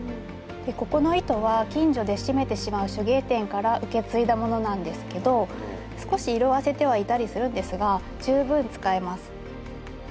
ここの糸は近所で閉めてしまう手芸店から受け継いだものなんですけど少し色あせてはいたりするんですが十分使えます。